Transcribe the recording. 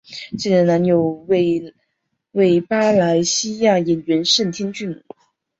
现任男友为马来西亚演员盛天俊。